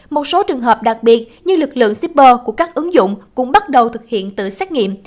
một số trường hợp đặc biệt như lực lượng shipper của các ứng dụng cũng bắt đầu thực hiện tự xét nghiệm